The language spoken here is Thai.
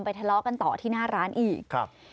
ทะเลาะกันต่อที่หน้าร้านอีกครับ